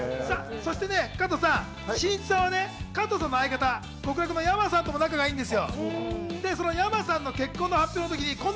そして加藤さん、しんいちさんはね、加藤さんの相方、極楽の山さんとも仲がいいんですよ。